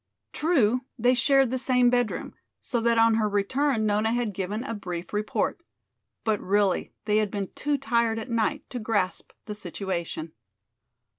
True, they shared the same bedroom, so that on her return Nona had given a brief report. But really they had been too tired at night to grasp the situation.